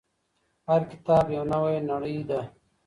هر کتاب یو نوې نړۍ ده.